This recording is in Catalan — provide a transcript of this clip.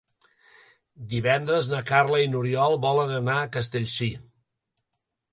Divendres na Carla i n'Oriol volen anar a Castellcir.